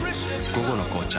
「午後の紅茶」